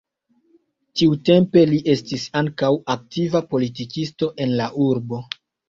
Tiutempe li estis ankaŭ aktiva politikisto en la urbo.